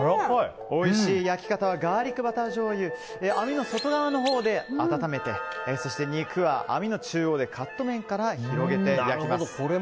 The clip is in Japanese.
おいしい焼き方はガーリックバター醤油網の外側のほうで温めてそして肉は網の中央でカット面から広げて焼きます。